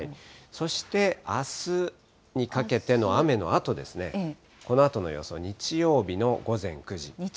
そして、あすにかけての雨のあと、このあとの予想、日曜日午前。